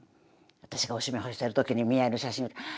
私がおしめ干してる時に見合いの写真をって。